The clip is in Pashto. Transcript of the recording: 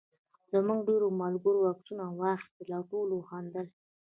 زموږ ډېرو ملګرو یې عکسونه واخیستل او ټولو خندل.